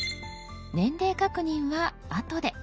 年齢確認は「あとで」。